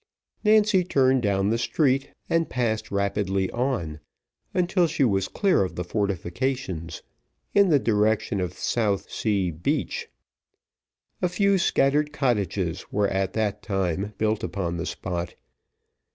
Nancy turned down the street, and passed rapidly on, until she was clear of the fortifications, in the direction of South Sea Beach. A few scattered cottages were at that time built upon the spot.